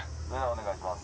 お願いします。